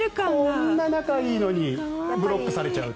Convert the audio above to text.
こんな仲がいいのにブロックされちゃう。